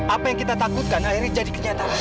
apa yang kita takutkan akhirnya jadi kenyataan